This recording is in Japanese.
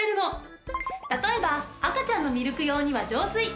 例えば赤ちゃんのミルク用には浄水。